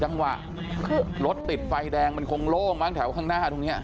จังหวะรถติดไฟแดงมันคงโล่งมั้งแถวข้างหน้าตรงนี้